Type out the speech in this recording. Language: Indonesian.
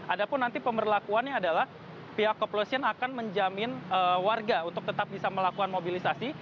ada pun nanti pemberlakuannya adalah pihak kepolisian akan menjamin warga untuk tetap bisa melakukan mobilisasi